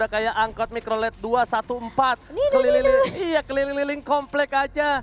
kayak angkot mikrolet dua ratus empat belas keliling keliling komplek aja